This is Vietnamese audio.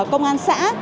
công an xã